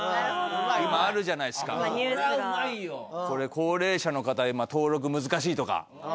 高齢者の方は登録難しいとか。